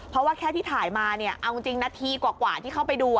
เพราะว่าแค่ที่ถ่ายมาเนี่ยเอาจริงนาทีกว่าที่เข้าไปดู